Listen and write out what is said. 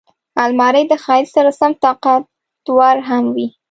الماري د ښایست سره سم طاقتور هم وي